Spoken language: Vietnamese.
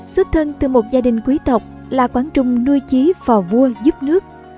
xuất thân từ một gia đình quý tộc là quán trung nuôi chí phò vua giúp nước